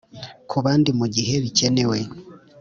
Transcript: kubandi mugihe bikenewe,